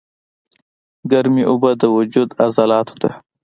ګرمې اوبۀ د وجود عضلاتو ته